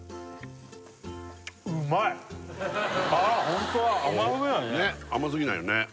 本当だ甘すぎないよね